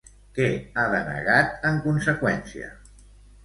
Què ha denegat, en conseqüència?